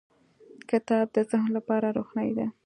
• کتاب د ذهن لپاره روښنایي ده.